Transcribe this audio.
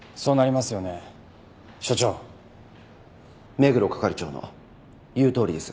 目黒係長の言うとおりです。